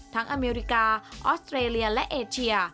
อเมริกาออสเตรเลียและเอเชีย